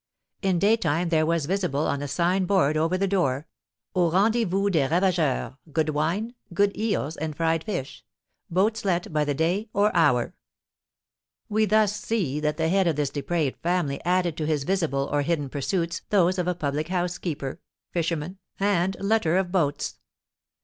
In daytime there was visible, on a sign board over the door: "AU RENDEZVOUS DES RAVAGEURS. GOOD WINE, GOOD EELS, AND FRIED FISH. BOATS LET BY THE DAY OR HOUR." We thus see that the head of this depraved family added to his visible or hidden pursuits those of a public house keeper, fisherman, and letter of boats.